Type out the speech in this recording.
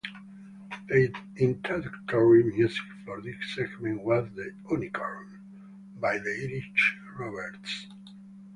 The introductory music for this segment was "The Unicorn" by The Irish Rovers.